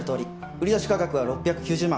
売り出し価格は６９０万。